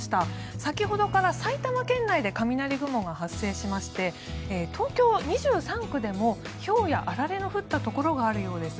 先ほどから埼玉県内で雷雲が発達しまして東京２３区でもひょうやあられの降ったところがあるようです。